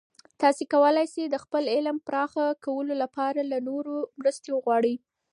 تاسې کولای سئ د خپل علم پراخه کولو لپاره له نورو مرستې وغواړئ.